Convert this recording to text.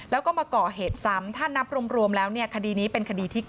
แล้วก็มาเกาะเหตุซ้ำถ้านับรวมแล้วคดีนี้เป็นคดียาเสพติด